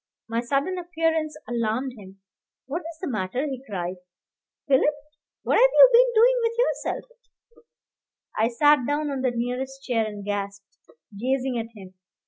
My sudden appearance alarmed him. "What is the matter?" he cried. "Philip, what have you been doing with yourself?" I sat down on the nearest chair and gasped, gazing at him.